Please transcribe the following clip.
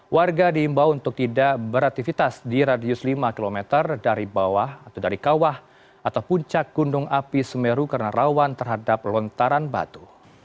warga diimbau untuk tidak beraktivitas di radius lima km dari bawah atau dari kawah atau puncak gunung api semeru karena rawan terhadap lontaran batu